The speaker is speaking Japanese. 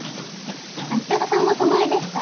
牧高さんも泊まりですか？